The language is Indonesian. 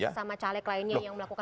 yang melakukan politik uang